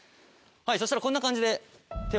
そしたらこんな感じで。